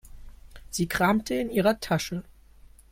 Sie kramte in ihrer Tasche.